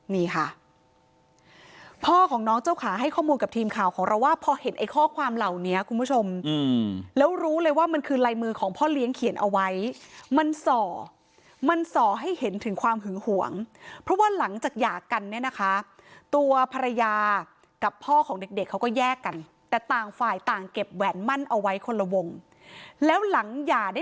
นี่ค่ะพ่อของน้องเจ้าขาให้ข้อมูลกับทีมข่าวของเราว่าพอเห็นไอ้ข้อความเหล่านี้คุณผู้ชมแล้วรู้เลยว่ามันคือลายมือของพ่อเลี้ยงเขียนเอาไว้มันส่อมันส่อให้เห็นถึงความหึงหวงเพราะว่าหลังจากหย่ากันเนี่ยนะคะตัวภรรยากับพ่อของเด็กเด็กเขาก็แยกกันแต่ต่างฝ่ายต่างเก็บแหวนมั่นเอาไว้คนละวงแล้วหลังหย่าได้